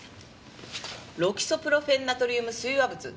ロキソプロフェンナトリウム水和物。